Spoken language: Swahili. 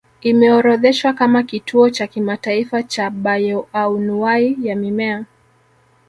Imeorodheshwa kama kituo cha kimataifa cha bayoanuwai ya mimea